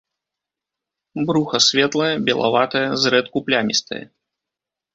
Бруха светлае, белаватае, зрэдку плямістае.